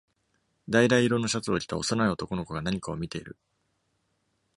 橙色のシャツを着た幼い男の子が何かを見ている。